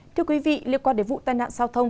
thưa quý vị liên quan đến vụ tai nạn giao thông